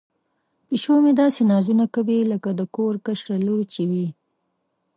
پیشو مې داسې نازونه کوي لکه د کور کشره لور چې وي.